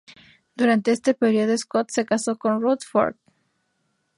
Durante este período Scott se casó con Ruth Ford.